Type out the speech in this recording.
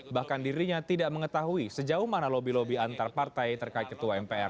bahkan dirinya tidak mengetahui sejauh mana lobby lobby antar partai terkait ketua mpr